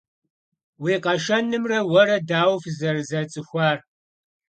Vui kheşşenımre vuere daue fızerızets'ıxuar?